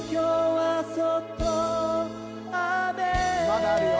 まだあるよ。